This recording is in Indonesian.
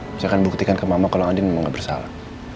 saya akan buktikan ke mama kalau nadine memang nggak bersalah